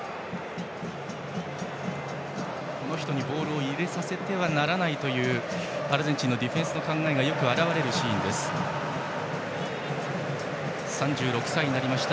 この人にボールを入れさせてはならないというアルゼンチンのディフェンスの考えがよく表れるシーンでした。